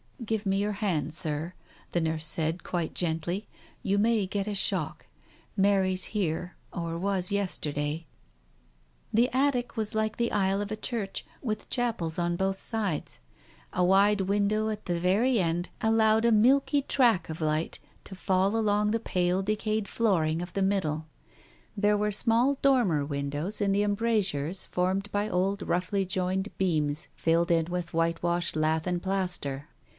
"Give me your hand, Sir," the nurse said quite gently. "You may get a shock. Mary's here, or was yesterday." The attic was like the aisle of a church, with chapels on both sides. A wide window at the very end allowed a milky track of light to fall along the pale, decayed floor ing of the middle. There were small dormer windows in the embrasures formed by old, roughly joined beams filled in with whitewashed lath and plaster.